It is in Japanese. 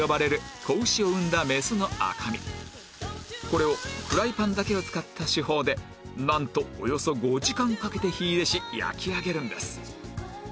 これをフライパンだけを使った手法でなんとおよそ５時間かけて火入れし焼き上げるんです